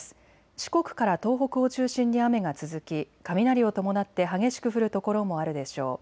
四国から東北を中心に雨が続き雷を伴って激しく降る所もあるでしょう。